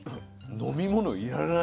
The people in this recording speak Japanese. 飲み物要らない。